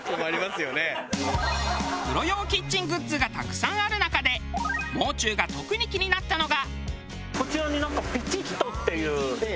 プロ用キッチングッズがたくさんある中でもう中が特に気になったのが。